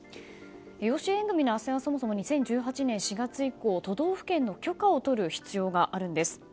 養子縁組のあっせんはそもそも２０１８年４月以降都道府県の許可を取る必要があるんです。